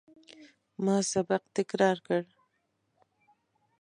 ما سبق تکرار کړ.